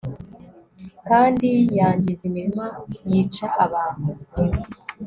Kandi yangiza imirima yica abantu